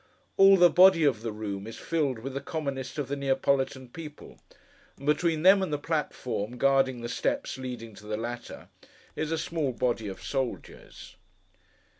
All the body of the room is filled with the commonest of the Neapolitan people: and between them and the platform, guarding the steps leading to the latter, is a small body of soldiers.